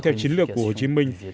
theo chính lược của hồ chí minh